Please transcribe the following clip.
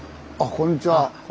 ・こんにちは。